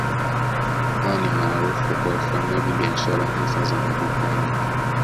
Hawa ni maarufu kwa ufanyaji biashara hasa za madukani